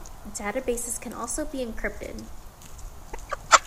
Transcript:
Databases can also be encrypted.